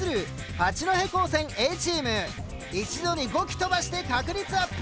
八戸高専Ａチーム一度に５機飛ばして確率アップ